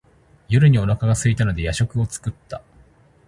夜にお腹がすいたので夜食を作った。